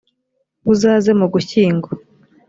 uzaze mugushyingo.